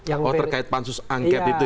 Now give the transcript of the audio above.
oh terkait pansus angket gitu ya